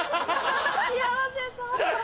幸せそう！